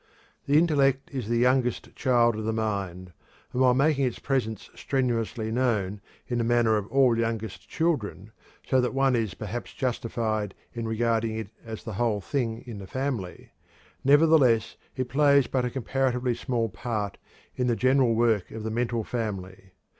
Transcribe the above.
The intellect is the youngest child of the mind, and while making its presence strenuously known in the manner of all youngest children so that one is perhaps justified in regarding it as "the whole thing" in the family, nevertheless it really plays but a comparatively small part in the general work of the mental family.